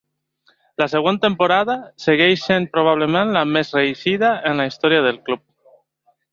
La següent temporada segueix sent probablement la més reeixida en la història del club.